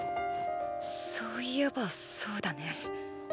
そういえばそうだね。